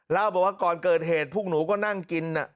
เล่าบอกว่าก่อนเกิดเหตุพวกหนูก็นั่งกิน